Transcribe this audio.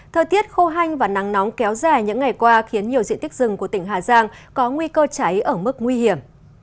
thời tiết khô hanh và nắng nóng kéo dài những ngày qua khiến nhiều diện tích rừng của tỉnh hà giang có nguy cơ cháy ở mức nguy hiểm